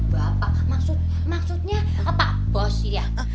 bapak maksudnya apa bos ya